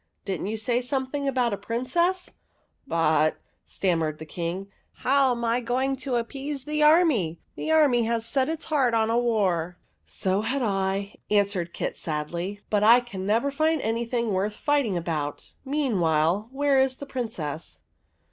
Did n't you say something about a Princess ?"" But," stammered the King, " how am I to 12 THE WEIRD WITCH appease the army ? The army has set its heart on a war.'* " So had I," answered Kit, sadly ;" but I never can find anything worth fighting about. Meanwhile, where is the Princess?''